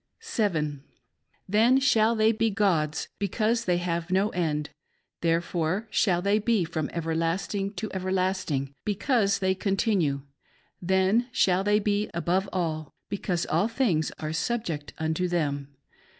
7. Then shall they be gods, because they have no end ; therefore shall they be from everlasting to everlasting, because they continue ; then shall they.be above all, because all things are subject unto them.